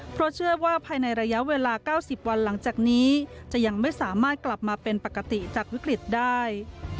เพราะเชื่อว่าภายในระยะเวลา๙๐วันหลังจากนี้จะยังไม่สามารถกลับมาเป็นปกติจากวิกฤตได้